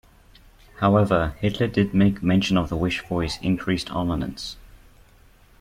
However, Hitler did make mention of the wish for increased armaments.